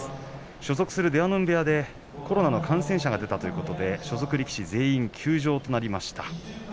所属する出羽海部屋でコロナの感染者が出たということで所属力士、全員休場となりました。